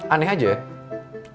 aneh aja ya